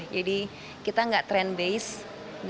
jadi kita tidak trend based